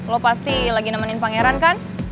lo pasti lagi nemenin pangeran kan